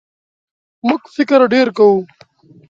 موږ فکر ډېر کوو.